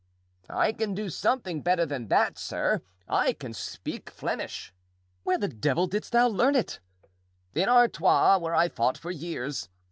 "I can do something better than that, sir, I can speak Flemish." "Where the devil didst thou learn it?" "In Artois, where I fought for years.